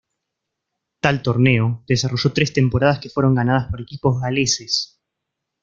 Tal torneo desarrolló tres temporadas que fueron ganadas por equipos galeses.